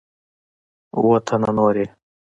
اووه تنه نور یې